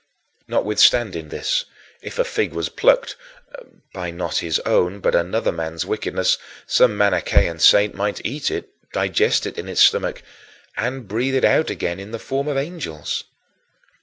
Notwithstanding this, if a fig was plucked, by not his own but another man's wickedness, some Manichean saint might eat it, digest it in his stomach, and breathe it out again in the form of angels.